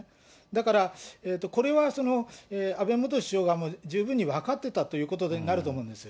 だからこれは安倍元首相が十分に分かっていたということになると思うんです。